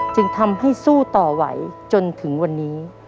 จึงทำให้สู้ต่อไหวจนถึงวันนี้